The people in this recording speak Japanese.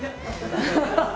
ハハハハ！